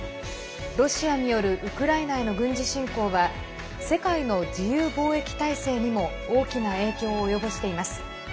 ロシアによるウクライナへの軍事侵攻は世界の自由貿易体制にも大きな影響を及ぼしています。